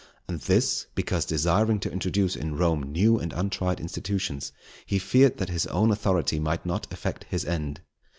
And this, because desiring to introduce in Rome new and untried institutions, he feared that his own authority might not effect his end.